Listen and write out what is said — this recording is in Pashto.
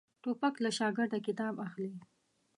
توپک له شاګرده کتاب اخلي.